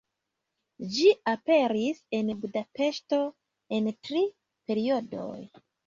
Ĝi aperis en Budapeŝto en tri periodoj.